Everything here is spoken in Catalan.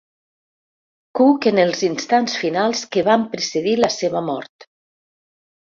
Cook en els instants finals que van precedir la seva mort.